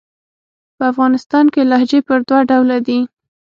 په افغانستان کښي لهجې پر دوه ډوله دي.